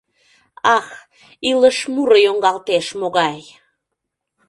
Ах, илыш муро йоҥгалтеш могай!